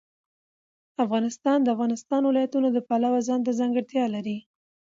افغانستان د د افغانستان ولايتونه د پلوه ځانته ځانګړتیا لري.